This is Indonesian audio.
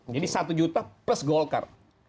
jadi satu juta plus golkar